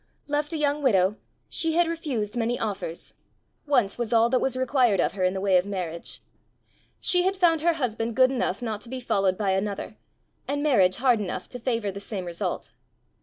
Left a young widow, she had refused many offers: once was all that was required of her in the way of marriage! She had found her husband good enough not to be followed by another, and marriage hard enough to favour the same result.